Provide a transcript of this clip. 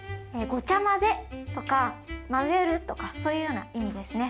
「ごちゃ混ぜ」とか「混ぜる」とかそういうような意味ですね。